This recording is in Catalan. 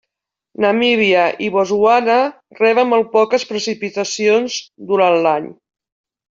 Namíbia i Botswana reben molt poques precipitacions durant l'any.